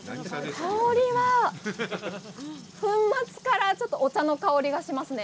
香りは、粉末からちょっとお茶の香りがしますね。